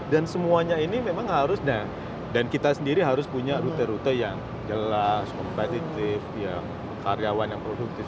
dan semuanya ini memang harus nah dan kita sendiri harus punya rute rute yang jelas kompetitif yang karyawan yang produktif